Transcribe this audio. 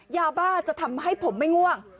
ยาบ้าจะทำให้ผมไม่ง่วง